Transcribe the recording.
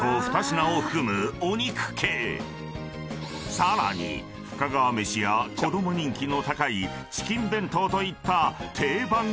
［さらに深川めしや子供人気の高いチキン弁当といった定番駅弁］